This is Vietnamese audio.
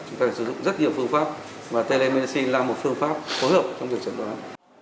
sử dụng rất nhiều phương pháp và telemedicine là một phương pháp phối hợp trong việc chẩn đoán